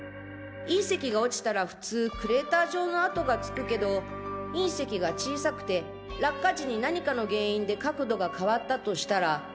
隕石が落ちたら普通クレーター状の跡がつくけど隕石が小さくて落下時に何かの原因で角度が変わったとしたら。